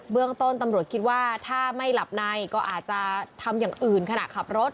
เรื่องต้นตำรวจคิดว่าถ้าไม่หลับในก็อาจจะทำอย่างอื่นขณะขับรถ